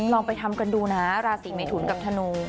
ลองไปทำกันดูนะราศีเมทุนกับธนู